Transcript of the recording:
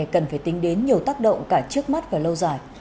cần phải tính đến nhiều tác động cả trước mắt và lâu dài